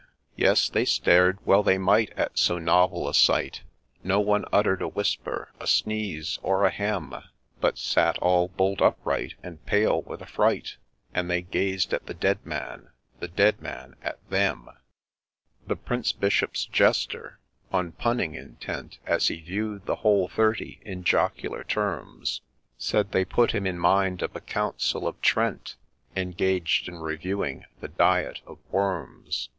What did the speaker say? Yes, they stared — well they might at so novel a sight : No one utter'd a whisper, a sneeze, or a hem, But sat all bolt upright, and pale with affright ; And they gazed at the dead man, the dead man at them. 148 A LAY OF ST. GENGDLPHDS The Prince Bishop's Jester, on punning intent, As he view'd the whole thirty, in jocular terms Said, ' They put him in mind of a Council of Trent* Engaged in reviewing the Diet of Worms.'